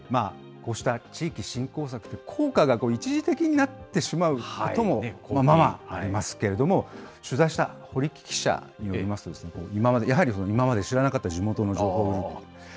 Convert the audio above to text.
こうした地域振興策って、効果が一時的になってしまうこともままありますけれども、取材した堀木記者によりますと、やはり今まで知らなかった地元の情報を。